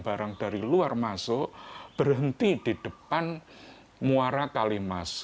barang dari luar masuk berhenti di depan muara kalimas